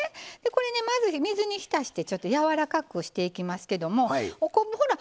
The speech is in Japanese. これねまず水に浸してちょっとやわらかくしていきますけどもお昆布ほら